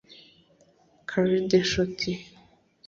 Khalid Nshuti